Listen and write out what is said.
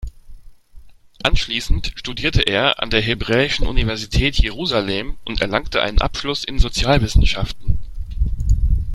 Anschließend studierte er an der Hebräischen Universität Jerusalem und erlangte einen Abschluss in Sozialwissenschaften.